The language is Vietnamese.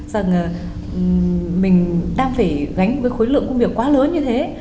rằng mình đang phải gánh với khối lượng công việc quá lớn như thế